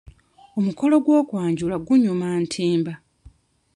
Omukolo gw'okwanjula gunyuma ntimba.